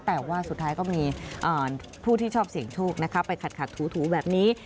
แต่ว่าสุดท้ายก็มีผู้ที่ชอบเสี่ยงโชคนะคะไปขัดถูแบบนี้